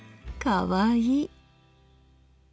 かわいい。